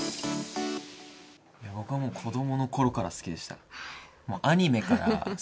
僕はもう、子どものころから好きでした。